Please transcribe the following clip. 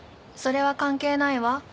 それは関係ないわ。